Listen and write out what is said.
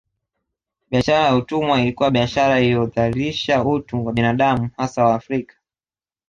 Biashara ya utumwa ilikuwa biashara iliyodhalilisha utu wa binadamu hasa Waafrika